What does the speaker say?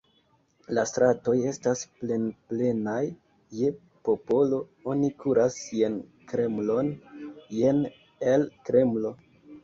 La stratoj estas plenplenaj je popolo, oni kuras jen Kremlon, jen el Kremlo.